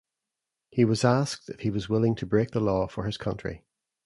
He was asked if he was willing to break the law for his country.